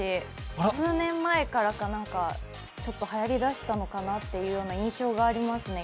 数年前から、ちょっとはやりだしたのかなという印象がありますね。